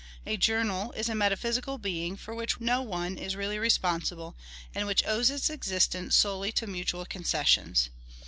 A journal is a metaphysical being, for which no one is really responsible, and which owes its existence solely to mutual concessions.